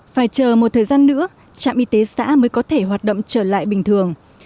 phải chờ một thời gian nữa trạm y tế xã mới có thể hoạt động trở lại bình thường